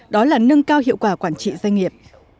đó là nâng cao hiệu quả quản trị doanh nghiệp